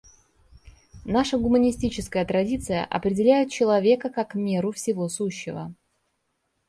Наша гуманистическая традиция определяет человека как меру всего сущего.